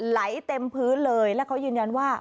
ไหลเต็มพื้นเลยแล้วเขายืนยันว่า